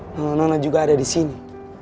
nona nona juga ada disini